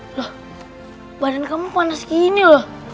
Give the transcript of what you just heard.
loh badan kamu panas gini loh